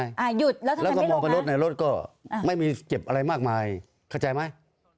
หยุดแล้วก็มองไปรถในรถก็ไม่มีเจ็บอะไรมากมายเข้าใจไหม